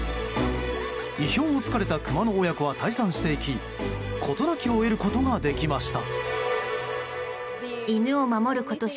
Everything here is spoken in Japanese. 意表を突かれたクマの親子は退散していき事なきを得ることができました。